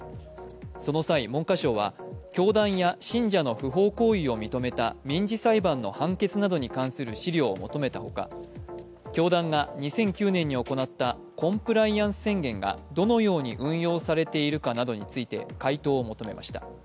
その際、文部科学省は教団や信者の不法行為を認めた民事裁判の判決などに関する資料を求めたほか教団が２００９年に行ったコンプライアンス宣言がどのように運用されているかなどについて回答を求めました。